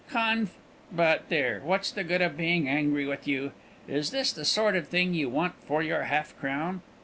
"Conf But, there, what's the good of being angry with you? Is this the sort of thing you want for your half crown?